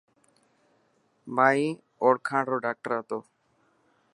مائي اوڙکاڻ رو ڊاڪٽر هتو.